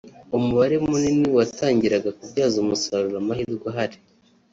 umubare munini watangira kubyaza umusaruro amahirwe ahari